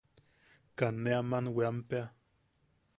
Kaa ne ama weampea.